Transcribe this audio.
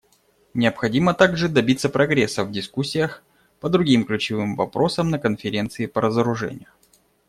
Необходимо также добиться прогресса в дискуссиях по другим ключевым вопросам на Конференции по разоружению.